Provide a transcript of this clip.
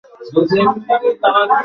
আর আমার পাশে থাকত ইযখির ও জালীল ঘাস।